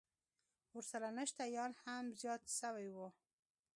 ورسره نشه يان هم زيات سوي وو.